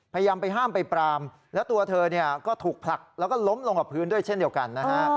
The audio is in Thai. พยายามไปห้ามไปปรามแล้วตัวเธอเนี่ยก็ถูกผลักแล้วก็ล้มลงกับพื้นด้วยเช่นเดียวกันนะฮะ